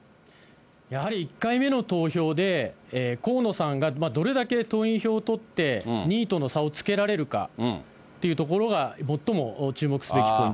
やはり１回目の投票で河野さんがどれだけ党員票を取って、２位との差をつけられるかっていうところが最も注目すべきポイン